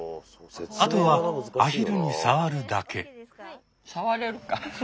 あとはアヒルに触るだけ。